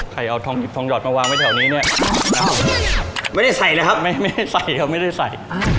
ใครเอาทองหยิบทองหยอดมาวางไว้แถวนี้ด้วยไม่ได้ใส่เลยครับไม่ได้ใส่ครับไม่ได้ใส่